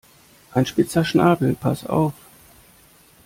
Ein spitzer Schnabel, pass auf!